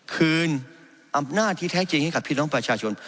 คืนอำนาจที่แท้จริงให้กับพี่น้องประชาชน